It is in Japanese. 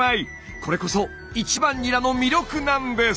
これこそ１番ニラの魅力なんです！